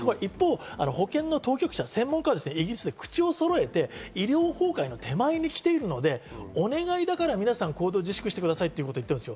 保険の当局は口をそろえて医療崩壊の手前に来ているので、お願いだから皆さん行動自粛してくださいと言っている。